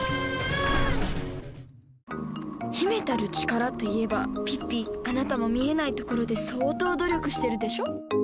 「Ａｈ，ａｈ」秘めたる力といえばピッピあなたも見えないところで相当努力してるでしょ？